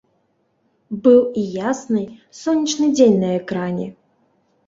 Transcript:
Быў і ясны, сонечны дзень на экране.